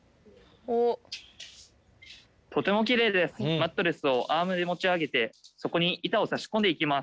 マットレスをアームで持ち上げてそこに板を差し込んでいきます。